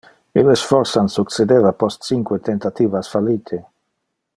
Illes forsan succedeva post cinque tentativas fallite.